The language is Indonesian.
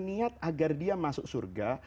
niat agar dia masuk surga